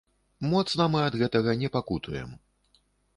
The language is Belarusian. Моцна мы ад гэтага не пакутуем.